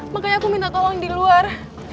makanya aku minta tolong di luar